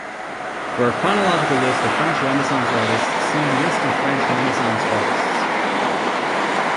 For a chronological list of French Renaissance artists, see List of French Renaissance artists.